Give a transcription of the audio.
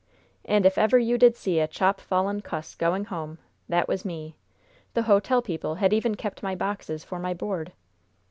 And, if ever you did see a chop fallen cuss going home, that was me! The hotel people had even kept my boxes for my board!